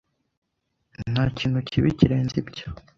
Ntakintu kibi kirenze ibyo.